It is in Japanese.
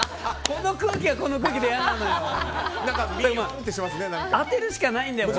この空気はこの空気で嫌なのよ。